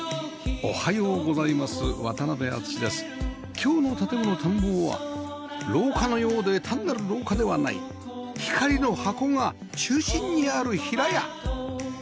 今日の『建もの探訪』は廊下のようで単なる廊下ではない「光の箱」が中心にある平屋